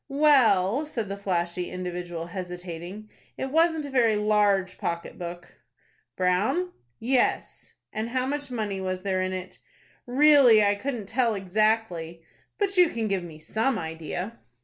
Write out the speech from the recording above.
"Well," said the flashy individual, hesitating, "it wasn't a very large pocket book." "Brown?" "Yes." "And how much money was there in it?" "Really, I couldn't tell exactly." "But you can give me some idea?"